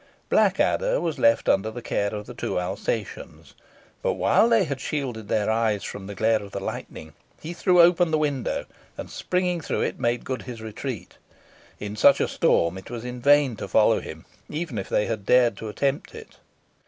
Blackadder was left under the care of the two Alsatians, but while they had shielded their eyes from the glare of the lightning, he threw open the window, and, springing through it, made good his retreat. In such a storm it was in vain to follow him, even if they had dared to attempt it.